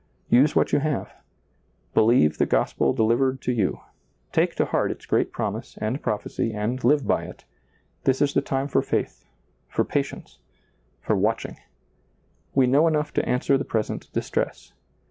Use what you have ; believe the gospel delivered to you ; take to heart its great promise and prophecy and live by it; this is the time for faith, for patience, for watching. We know enough to answer the present distress.